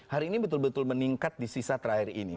hari ini betul betul meningkat di sisa terakhir ini